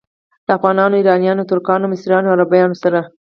له افغانانو، ایرانیانو، ترکانو، مصریانو او عربانو سره.